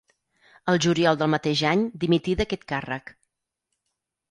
El juliol del mateix any dimití d'aquest càrrec.